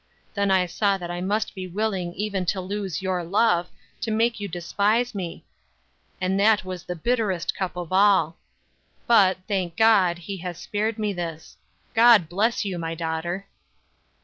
Then I saw that I must be willing even to lose your love, to make you despise me; and that was the bitterest cup of all. But, thank God, he has spared me this. God bless you, my daughter."